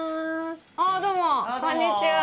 ああどうもこんにちは。